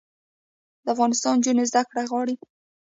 د افغانستان نجونې زده کړې غواړي